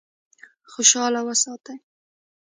خوشاله وساتي.